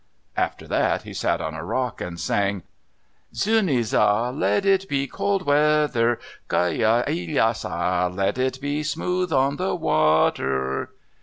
After that he sat on a rock and sang, Xunisa, Let it be cold weather; Gai ya li sa, Let it be smooth on the water.